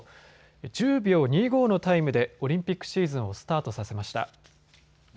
１０秒２５のタイムでオリンピックシーズンをスタートさせました。